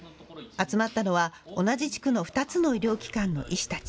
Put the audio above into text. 集まったのは同じ地区の２つの医療機関の医師たち。